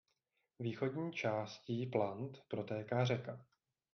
Východní částí Plant protéká řeka.